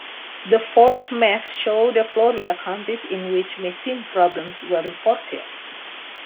The fourth map shows the Florida counties in which machine problems were reported.